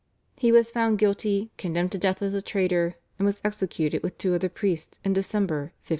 He was found guilty, condemned to death as a traitor, and was executed with two other priests in December 1581.